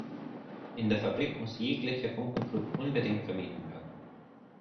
In der Fabrik muss jeglicher Funkenflug unbedingt vermieden werden.